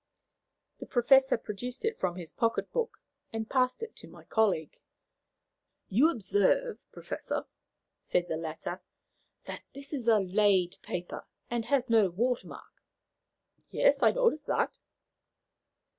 The Professor produced it from his pocket book, and passed it to my colleague. "You observe, Professor," said the latter, "that this is a laid paper, and has no water mark?" "Yes, I noticed that."